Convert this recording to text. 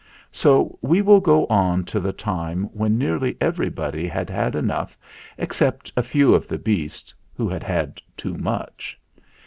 So we will go on to the time when nearly every body had had enough, except a few of the beasts, who had had too much.